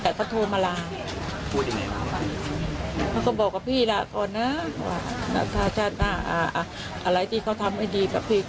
แต่เขาโทรมาลาเขาก็บอกกับพี่ละก่อนนะว่าถ้าถ้าอะไรที่เขาทำไม่ดีกับพี่ก็เอ่อ